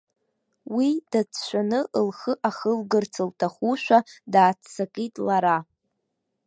Уи дацәшәаны лхы ахылгарц лҭахушәа, дааццакит лара.